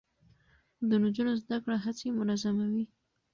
د نجونو زده کړه هڅې منظموي.